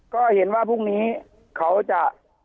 ก็เห็นว่าพรุ่งนี้เขาจะ